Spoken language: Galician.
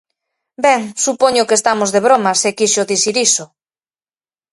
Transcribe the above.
Ben, supoño que estamos de broma se quixo dicir iso.